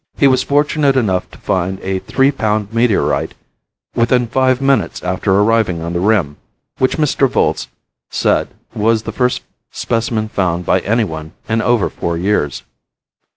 He was fortunate enough to find a three pound meteorite within five minutes after arriving on the rim, which Mr. Volz said was the first specimen found by anyone in over four years.